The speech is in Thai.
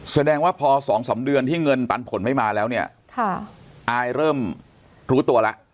แสดงว่าพอ๒๓เดือนที่เงินปันผลไม่มาแล้วเนี่ยอายเริ่มรู้ตัวแล้ว